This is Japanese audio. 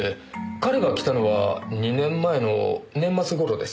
彼が来たのは２年前の年末頃です。